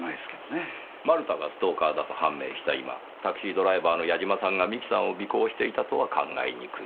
丸田がストーカーだと判明した今タクシードライバーの八嶋さんが美紀さんを尾行していたとは考えにくい。